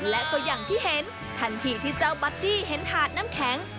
และก็อย่างที่เห็นทันทีที่เจ้าบัดดี้เห็นถาดน้ำแข็ง